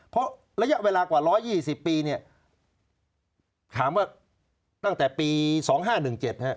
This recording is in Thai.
เพราะระยะเวลากว่า๑๒๐ปีเนี่ยถามว่าตั้งแต่ปี๒๕๑๗นะฮะ